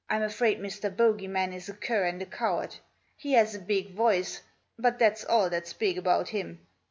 Fm afraid Mr. Bogey man is a cur and a coward. He has a big voice, but that's all that's big about him.